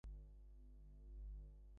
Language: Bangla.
ওর আসার ব্যাপারে আমাদের কোন ধারণাও ছিল না।